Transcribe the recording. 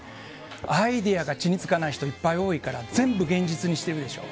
アイデアが地につかない人、いっぱい多いから、全部現実にしてるでしょ。